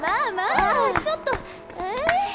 ああちょっとええ。